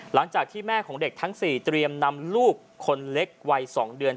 หลังจากที่แม่ของเด็กทั้ง๔เตรียมนำลูกคนเล็กวัย๒เดือน